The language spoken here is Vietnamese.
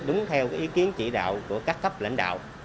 đúng theo ý kiến chỉ đạo của các cấp lãnh đạo